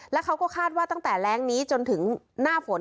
แล้วเขาก็คาดว่าตั้งแต่แรงนี้จนถึงหน้าฝน